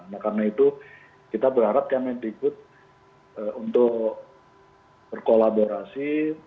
nah karena itu kita berharap kemendikbud untuk berkolaborasi